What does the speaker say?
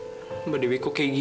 mbak mbak dewi itu kan orangnya baik